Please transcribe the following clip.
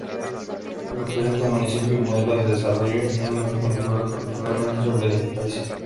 Representa un municipio modelo de desarrollo en una región rural particularmente pobre del país.